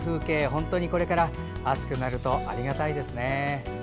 本当にこれから暑くなるとありがたいですね。